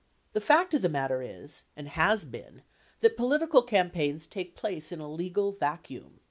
The fact of the matter is, and has been, that political campaigns take place in a legal vacuum.